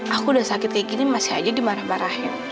aku udah sakit kayak gini masih aja dimarah marahin